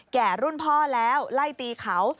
รุ่นพ่อแล้วไล่ตีเขา